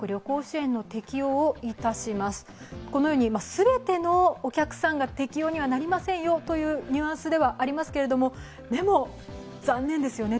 全てのお客さんが適用にはありませんよというニュアンスではありますけれどもでも、残念ですよね。